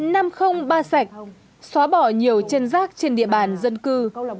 năm không ba sạch xóa bỏ nhiều chân rác trên địa bàn dân cư